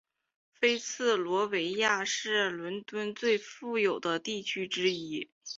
菲茨罗维亚是伦敦最富裕的地区之一。